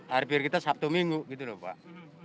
harap harap kita sabtu minggu gitu lho pak